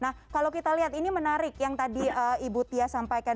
nah kalau kita lihat ini menarik yang tadi ibu tia sampaikan